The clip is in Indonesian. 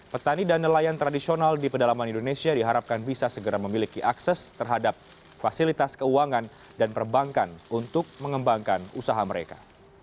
petani dan nelayan tradisional di pedalaman indonesia diharapkan bisa segera memiliki akses terhadap fasilitas keuangan dan perbankan untuk mengembangkan usaha mereka